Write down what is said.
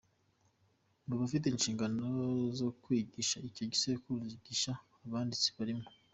Mu bafite inshingano zo kwigisha icyo gisekuru gishya, abanditsi barimo.